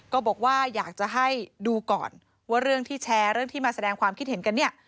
ก็บอกว่าอยากจะให้ดูก่อนว่าเรื่องที่แชร์เรื่องที่มาแสดงความคิดเห็นกันเนี่ย